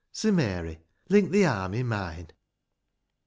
^ So, Mary, link thi arm i' mine.